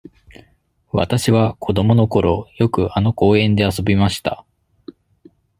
わたしは子どものころ、よくあの公園で遊びました。